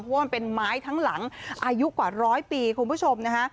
เพราะว่ามันเป็นไม้ทั้งหลังอายุกว่าร้อยปีคุณผู้ชมนะคะ